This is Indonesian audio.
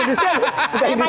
itu bukan inisial